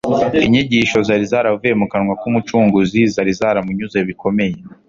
Inyigisho zari zaravuye mu kanwa k’Umucunguzi zari zaramunyuze bikomeye